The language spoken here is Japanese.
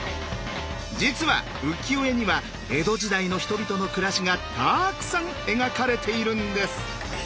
実は浮世絵には江戸時代の人々の暮らしがたくさん描かれているんです。